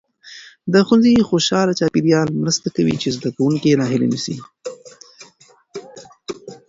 د ښوونځي خوشال چاپیریال مرسته کوي چې زده کوونکي ناهیلي نسي.